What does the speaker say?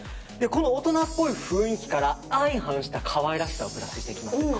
この大人っぽい雰囲気から相反した可愛らしさをプラスしていきます。